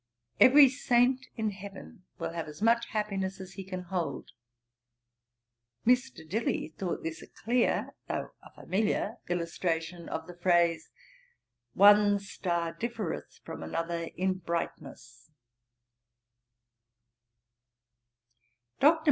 Every Saint in heaven will have as much happiness as he can hold.' Mr. Dilly thought this a clear, though a familiar illustration of the phrase, 'One star differeth from another in brightness.' Dr.